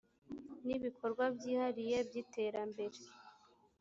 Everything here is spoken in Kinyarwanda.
ni ibikorwa byihariye by’iterambere